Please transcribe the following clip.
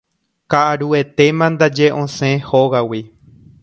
Ka'aruetéma ndaje osẽ hógagui